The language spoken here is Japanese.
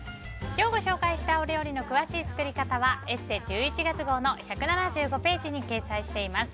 今日ご紹介したお料理の詳しい作り方は「ＥＳＳＥ」１１月号の１７５ページに掲載しています。